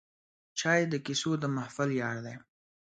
چای د کیسو د محفل یار دی